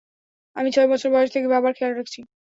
আমি ছয় বছর বয়স থেকে বাবার খেয়াল রাখছি।